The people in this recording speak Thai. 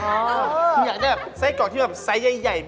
คืออยากได้แบบไส้กรอกที่แบบไซส์ใหญ่